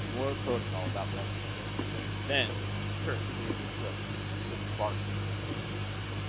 More protocol about welcoming Gorkrink. Then Gurgurk cleared his throat with a series of barking sounds.